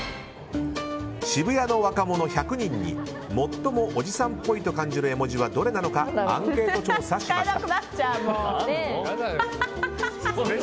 渋谷の若者１００人に最もおじさんっぽいと感じる絵文字はどれなのかアンケート調査しました。